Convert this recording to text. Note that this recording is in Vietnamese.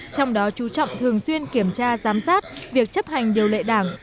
trong đó chú trọng thường xuyên kiểm tra giám sát việc chấp hành điều lệ đảng